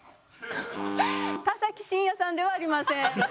田崎真也さんではありません。